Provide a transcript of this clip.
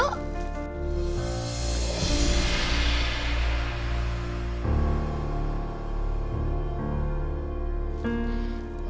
ya udah deh